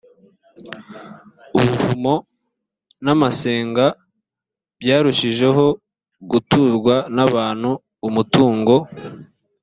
ubuvumo n amasenga byarushijeho guturwa n abantu umutungo